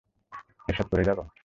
এসব পরে যাব?